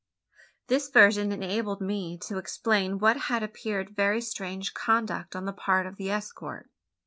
This version enabled me to explain what had appeared very strange conduct on the part of the escort.